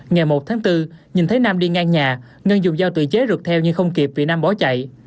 ngày một tháng bốn nhìn thấy nam đi ngang nhà ngân dùng dao tự chế rượt theo nhưng không kịp vì nam bỏ chạy